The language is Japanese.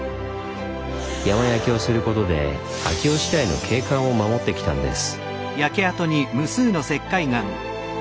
山焼きをすることで秋吉台の景観を守ってきたんです。